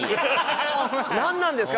「なんなんですか？